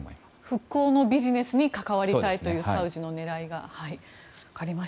復興のビジネスに関わりたいというサウジの狙いがあると。